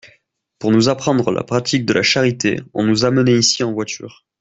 Pour nous apprendre la pratique de la charité, on nous amenait ici en voiture.